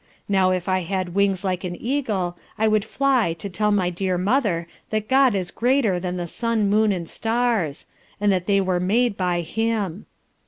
Now if I had wings like an Eagle I would fly to tell my dear mother that God is greater than the sun, moon, and stars; and that they were made by Him.